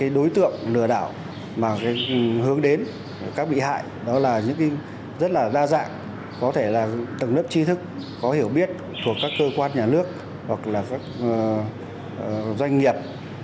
đối tượng lừa đảo mà hướng đến các bị hại đó là những rất đa dạng có thể là tầng lớp chi thức có hiểu biết thuộc các cơ quan nhà nước hoặc là các doanh nghiệp